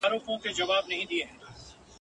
چي د بې ذاته اشنايي کا اور به بل په خپل تندي کا !.